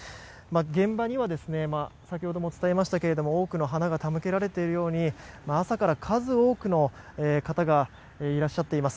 現場には先ほども伝えましたが多くの花が手向けられているように朝から数多くの方がいらっしゃっています。